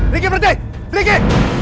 riki berhenti riki